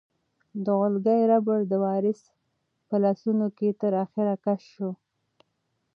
د غولکې ربړ د وارث په لاسونو کې تر اخره کش شو.